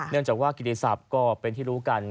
เนื่องจากว่ากิติศัพท์ก็เป็นที่รู้กัน